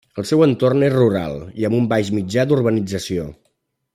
El seu entorn és rural i amb un baix mitjà d'urbanització.